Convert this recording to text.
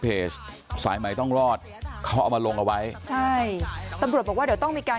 เพจสายใหม่ต้องรอดเขาเอามาลงเอาไว้ใช่ตำรวจบอกว่าเดี๋ยวต้องมีการ